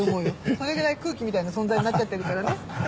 それぐらい空気みたいな存在になっちゃってるからね。